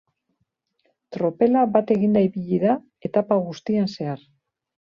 Tropela bat eginda ibili da etapa guztian zehar.